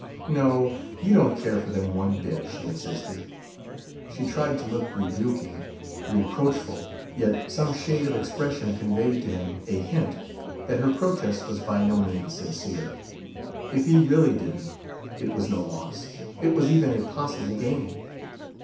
"No, you don't care for them one bit," she insisted. She tried to look rebuking, reproachful; yet some shade of expression conveyed to him a hint that her protest was by no means sincere: if he really didn't, it was no loss it was even a possible gain.